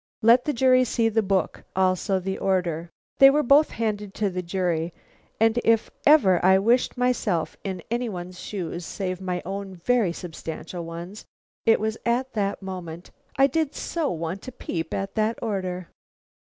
"Let the jury see the book; also the order." They were both handed to the jury, and if ever I wished myself in any one's shoes, save my own very substantial ones, it was at that moment. I did so want a peep at that order.